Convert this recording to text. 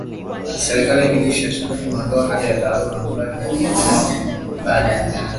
Serikali ya kijeshi ya Sudan imeondoa hali ya dharura ambayo iliwekwa baada ya kuchukua madaraka